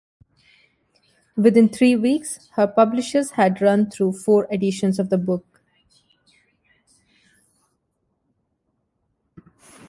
Within three weeks, her publishers had run through four editions of the book.